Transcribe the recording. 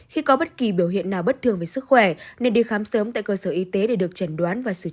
khi có bất kỳ biểu hiện nào bất thường về sức khỏe nên đi khám sớm tại cơ sở y tế để được chẳng đoán và xử trí kịp thời